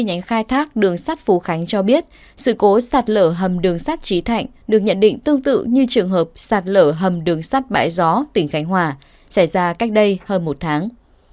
nhánh khai thác đường sắt phú khánh cho biết sự cố sạt lở hầm đường sắt trí thạnh được nhận định tương tự như trường hợp sạt lở hầm đường sắt bãi gió tỉnh khánh hòa xảy ra cách đây hơn một tháng